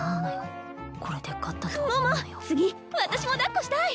桃次私もだっこしたい！